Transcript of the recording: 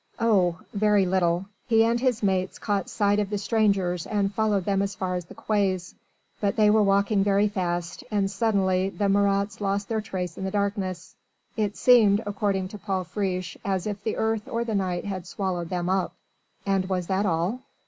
"Oh! very little. He and his mates caught sight of the strangers and followed them as far as the quays. But they were walking very fast and suddenly the Marats lost their trace in the darkness. It seemed, according to Paul Friche, as if the earth or the night had swallowed them up." "And was that all?"